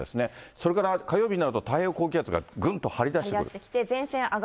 それから火曜日になると太平洋高気圧がぐんと張り出してくる。